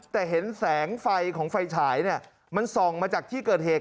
แต่เห็นแสงไฟของไฟฉายมันส่องมาจากที่เกิดเหตุ